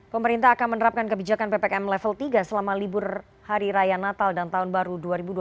pemerintah akan menerapkan kebijakan ppkm level tiga selama libur hari raya natal dan tahun baru dua ribu dua puluh satu